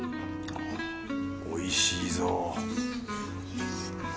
おいしいぞ